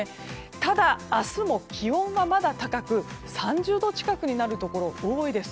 ただ、明日も気温はまだ高く３０度近くになるところが多いです。